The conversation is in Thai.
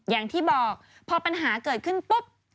อย่างที่บอกพอปัญหาเกิดขึ้นปุ๊บ